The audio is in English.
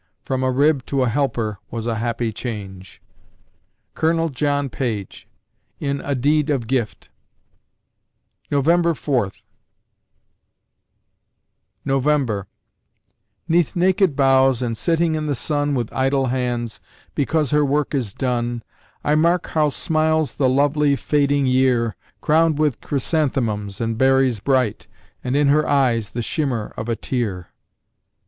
From a rib to a helper was a happy change. COL. JOHN PAGE (In "A Deed of Gift") November Fourth NOVEMBER 'Neath naked boughs, and sitting in the sun, With idle hands, because her work is done, I mark how smiles the lovely, fading year, Crowned with chrysanthemums and berries bright, And in her eyes the shimmer of a tear.